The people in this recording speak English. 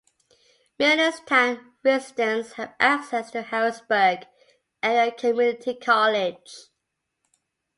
Millerstown residents have access to Harrisburg Area Community College.